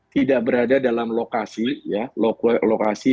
tidak berada dalam lokasi